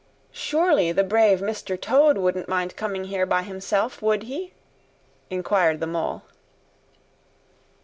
"Surely the brave Mr. Toad wouldn't mind coming here by himself, would he?" inquired the Mole.